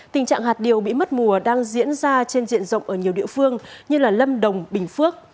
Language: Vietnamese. tình trạng hạt điều bị mất mùa đang diễn ra trên diện rộng ở nhiều địa phương như lâm đồng bình phước